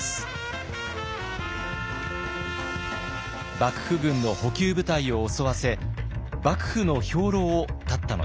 幕府軍の補給部隊を襲わせ幕府の兵糧を絶ったのです。